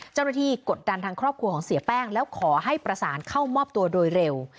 กดดันทางครอบครัวของเสียแป้งแล้วขอให้ประสานเข้ามอบตัวโดยเร็ว